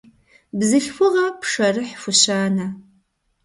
Бзылъхугъэ пшэрыхь хущанэ.